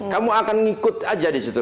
kamu akan ngikut aja disitu